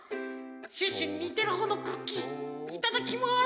シュッシュににてるほうのクッキーいただきます。